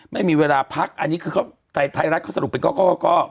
ไม่มีเวลาพักอันนี้คือเขาไทยรัฐเขาสรุปเป็นก็